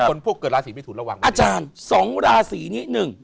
คนพวกเกิดราศีมิถุนระวังอาจารย์๒ราศีนี้หนึ่ง